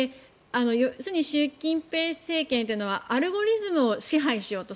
要するに習政権というのはアルゴリズムを支配しようと。